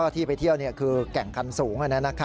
ที่ไปเที่ยวคือแก่งคันสูง